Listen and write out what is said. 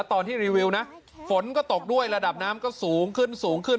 ตอนที่รีวิวนะฝนก็ตกด้วยระดับน้ำก็สูงขึ้นสูงขึ้น